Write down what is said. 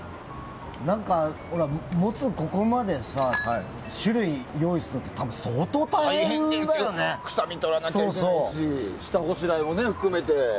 モツ、ここまでさ種類用意しておくのって臭み取らなきゃいけないし下ごしらえも含めて。